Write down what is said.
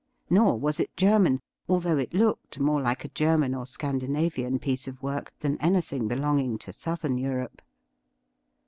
Nor was it German, although it looked more like a German or Scandinavian piece of work than anything belonging to Southern Europe.